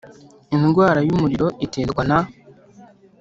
Indwara y umuriro iterwa na